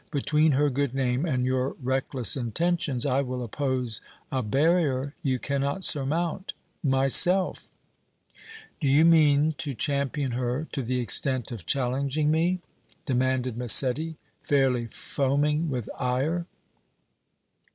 Between her good name and your reckless intentions I will oppose a barrier you cannot surmount myself!" "Do you mean to champion her to the extent of challenging me?" demanded Massetti, fairly foaming with ire.